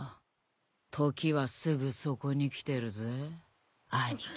時はすぐそこに来てるぜ兄貴。